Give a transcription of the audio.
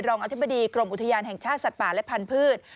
อธิบดีกรมอุทยานแห่งชาติสัตว์ป่าและพันธุ์